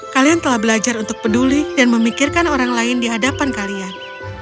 kalian telah belajar untuk peduli dan memikirkan orang lain di hadapan kalian